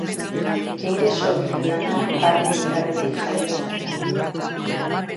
Nire sormen-lana barne-indarretik jaiotzen da.